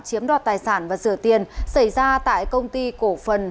chiếm đoạt tài sản và rửa tiền xảy ra tại công ty cổ phần